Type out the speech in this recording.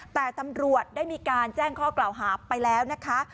แต่ตำรวจได้มีการแจ้งข้อกล่าวหาไปแล้วนะคะ